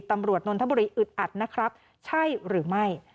ตำรวจนทบริอึดอัดนะครับใช่หรือไม่